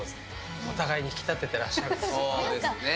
お互いに引き立ててらっしゃるんですね。